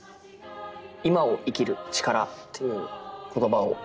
「今を生きる力」という言葉を。